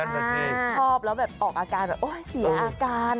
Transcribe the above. จริงชอบแล้วแบบออกอาการแบบโอ๊ยเสียอาการ